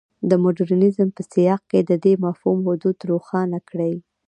د مډرنیزم په سیاق کې د دې مفهوم حدود روښانه کړي.